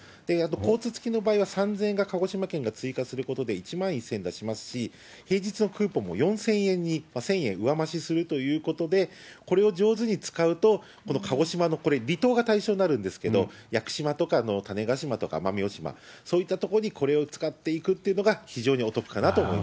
交通費付きの場合は、３０００円を鹿児島県が追加することで、１万１０００円出しますし、平日のクーポンも４０００円に、１０００円上増しするということで、これを上手に使うと、この鹿児島のこれ、離島が対象になるんですけど、屋久島とか、種子島とか、奄美大島、そういった所にこれを使っていくってことが、非常におなるほど。